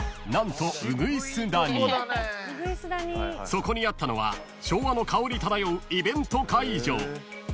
［そこにあったのは昭和の香り漂うイベント会場］